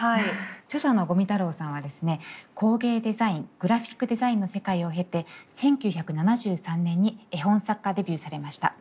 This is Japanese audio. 工芸デザイングラフィックデザインの世界を経て１９７３年に絵本作家デビューされました。